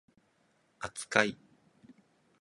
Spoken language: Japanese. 扱い